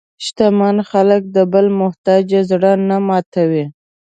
شتمن خلک د بل محتاج زړه نه ماتوي.